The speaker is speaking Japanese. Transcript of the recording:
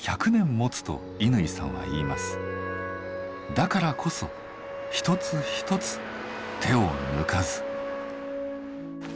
だからこそ一つ一つ手を抜かず。